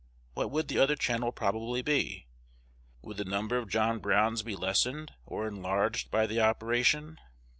What would that other channel probably be? Would the number of John Browns be lessened or enlarged by the operation?